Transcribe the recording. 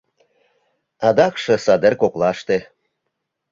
Адакше садер коклаште.